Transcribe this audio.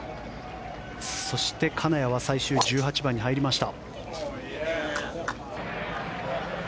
そして、金谷は最終１８番に入りました。